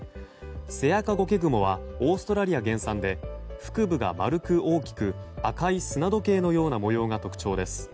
セアカゴケグモはオーストラリア原産で腹部が丸く大きく赤い砂時計のような模様が特徴です。